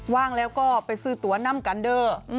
ว่างแล้วก็ไปซื้อตัวนำกันเดอร์